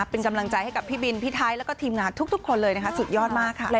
เป็นกำลังใจให้กับพี่บินพี่ไทยแล้วก็ทีมงานทุกคนเลยนะคะสุดยอดมากค่ะ